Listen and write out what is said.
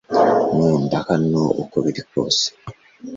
Nkunda hano uko biri kose